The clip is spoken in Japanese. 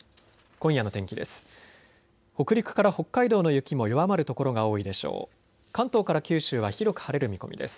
今夜の天気です。